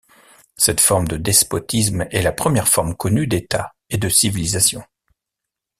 Cette forme de despotisme est la première forme connue d'État et de civilisation.